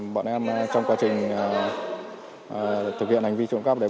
bọn em trong quá trình thực hiện hành vi trộm cắp đấy